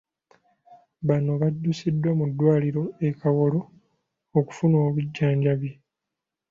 Bano baddusiddwa mu ddwaliro e Kawolo okufuna obujjanjabi.